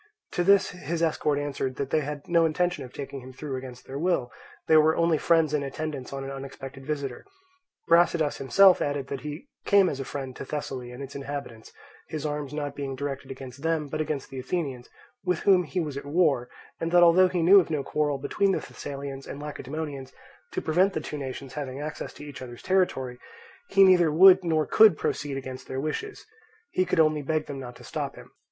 To this his escort answered that they had no intention of taking him through against their will; they were only friends in attendance on an unexpected visitor. Brasidas himself added that he came as a friend to Thessaly and its inhabitants, his arms not being directed against them but against the Athenians, with whom he was at war, and that although he knew of no quarrel between the Thessalians and Lacedaemonians to prevent the two nations having access to each other's territory, he neither would nor could proceed against their wishes; he could only beg them not to stop him.